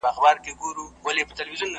توجه یې له باوړیه شاوخوا وي .